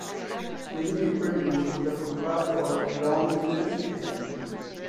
Many people use the footpath for long-distance hiking.